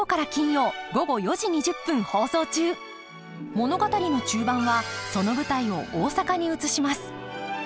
物語の中盤はその舞台を大阪に移します。